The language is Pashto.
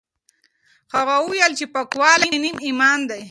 هغه وویل چې پاکوالی نیم ایمان دی.